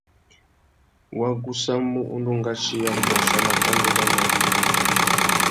Wa gussamú undú ngʼachiya môchia nà pandú râmê râ manônôh.